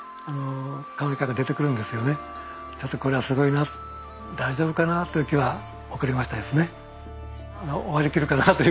ちょっとこれはすごいな大丈夫かな？という気は起こりましたですね。